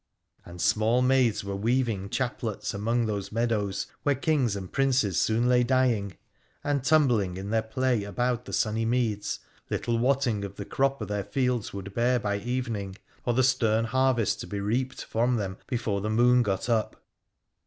And small maids were weaving chaplets among those meadows where kings and princes soon lay dying, and tumbling in their play about the sunny meads, little wotting of the crop their fields would bear by evening, or the stern harvest to be reaped from them before the moon got up.